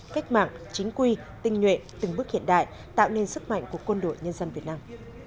cách mạng chính quy tinh nhuệ từng bước hiện đại tạo nên sức mạnh của quân đội nhân dân việt nam